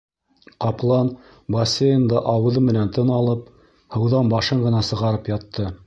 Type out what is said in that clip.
Ҡаплан бассейнда ауыҙы менән тын алып, һыуҙан башын ғына сығарып ятты.